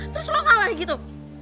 terus lo kalah gitu